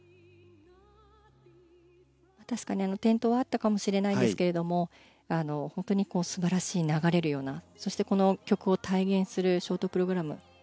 確かに転倒はあったかもしれないんですが本当に素晴らしい、流れるようなそしてこの曲を体現するショートプログラム。